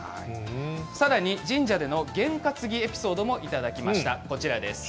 さらに神社での験担ぎエピソードもいただきました。